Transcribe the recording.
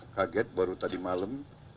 kaget baru tadi malam